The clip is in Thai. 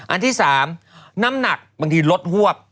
อันที่๓น้ำหนักบางทีลดหวบ